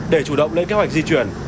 để chủ động lên kế hoạch di chuyển